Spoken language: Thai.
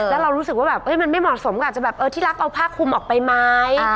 แล้วเรารู้สึกว่าแบบมันไม่เหมาะสมกับจะแบบเออที่รักเอาผ้าคุมออกไปไหม